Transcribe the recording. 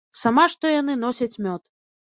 Сама што яны носяць мёд.